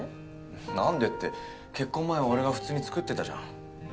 なんでって結婚前は俺が普通に作ってたじゃん。